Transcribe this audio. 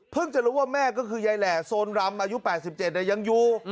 เพิ่งจะรู้ว่าแม่ก็คือยัยแหล่โซนรำอายุ๘๗เนี่ยยังอยู่